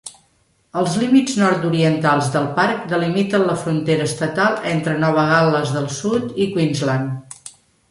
Els límits nord-orientals del parc delimiten la frontera estatal entre Nova Gal·les del Sud i Queensland.